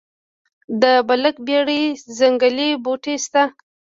د بلک بیري ځنګلي بوټي شته؟